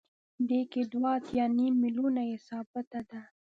دې کې دوه اتیا نیم میلیونه یې ثابته ده